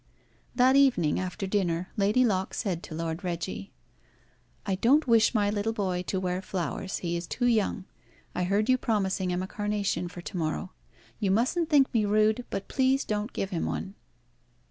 That evening, after dinner, Lady Locke said to Lord Reggie "I don't wish my little boy to wear flowers. He is too young. I heard you promising him a carnation for to morrow. You mustn't think me rude, but, please, don't give him one."